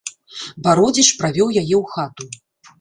Бародзіч правёў яе ў хату.